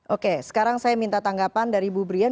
oke sekarang saya minta tanggapan dari bu brian